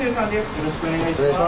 よろしくお願いします。